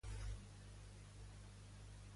Fes-me el favor de trucar ara mateix a la Marga.